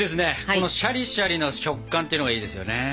このシャリシャリの食感ってのがいいですよね。